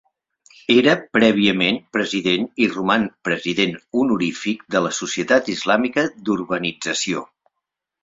Era prèviament President i roman President Honorífic de la Societat Islàmica d'Urbanització.